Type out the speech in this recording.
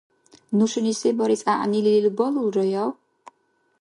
Нушани се барес гӀягӀнилил балулраяв?